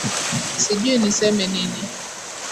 Sijui niseme nini?